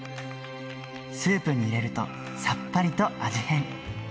スープに入れるとさっぱりと味変。